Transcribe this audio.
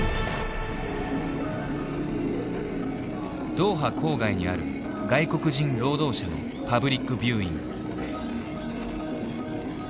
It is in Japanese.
ドーハ郊外にある外国人労働者のパブリックビューイング。